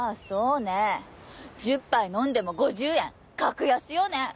そうね１０杯飲んでも５０円格安よね！